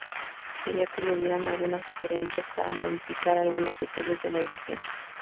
Quería que le dieran algunas sugerencias para modificar algunos detalles de la edición.